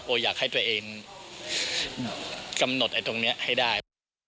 อยากให้ตัวเองกำหนดตรงนี้ให้ได้